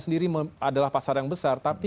sendiri adalah pasar yang besar tapi